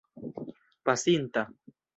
pasinta